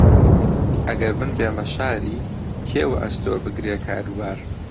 ئەگەر من بێمە شاری، کێ وەئەستۆ بگرێ کاروبار؟